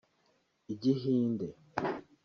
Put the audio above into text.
Igihinde